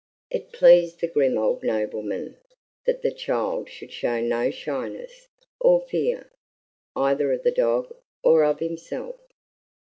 It pleased the grim old nobleman that the child should show no shyness or fear, either of the dog or of himself.